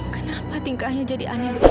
kenapa tingkahnya jadi aneh begini sekarang